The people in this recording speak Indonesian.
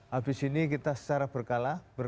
habis ini kita secara berkala